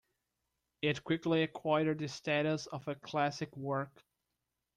It quickly acquired the status of a classic work.